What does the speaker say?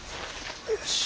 よし。